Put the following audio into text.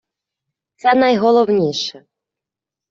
Це найголовніше.